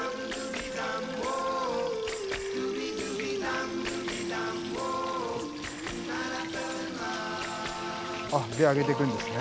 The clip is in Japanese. であげていくんですね。